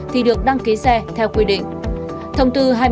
thì được đăng ký xe theo quy định